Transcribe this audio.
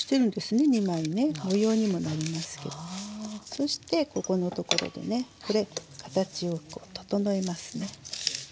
そしてここのところでねこれ形を整えますね。